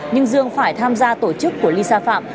nhưng dương phải tham gia tổ chức của lisa phạm